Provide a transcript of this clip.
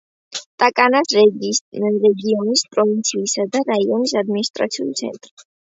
ტაკნას რეგიონის, პროვინციის და რაიონის ადმინისტრაციული ცენტრი.